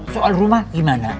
soal rumah gimana